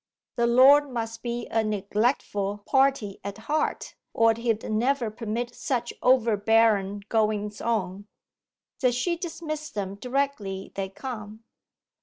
The Lord must be a neglectful party at heart, or he'd never permit such overbearen goings on!' 'Does she dismiss them directly they come!